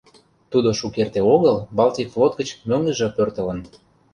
Тудо шукерте огыл Балтик флот гыч мӧҥгыжӧ пӧртылын.